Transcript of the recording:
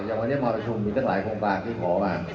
อย่างวันนี้มารัฐบาลประชุมมีก็หลายโครงการที่ขอมา